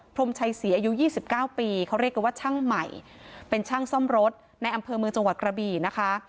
พรมชัยศรีอายุ๒๙ปีเขาเรียกกันว่าช่างใหม่เป็นช่างซ่อมรถในอำเภอเมืองจังหวัดกระบี่นะคะ